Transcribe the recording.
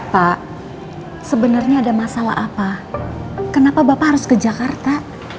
pak sebenarnya ada masalah apa kenapa bapak harus ke jakarta